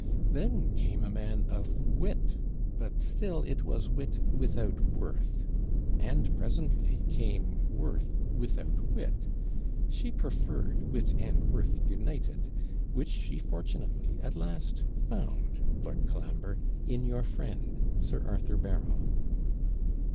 Then came a man of wit but still it was wit without worth; and presently came "worth without wit." She preferred "wit and worth united," which she fortunately at last found, Lord Colambre, in your friend, Sir Arthur Berryl.'